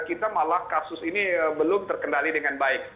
kita malah kasus ini belum terkendali dengan baik